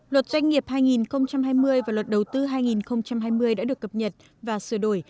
luật doanh nghiệp hai nghìn hai mươi và luật đầu tư hai nghìn hai mươi đã được cập nhật và sửa đổi